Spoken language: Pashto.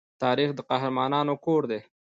تاریخ د قهرمانانو کور دی.